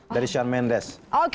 dari shawn mendes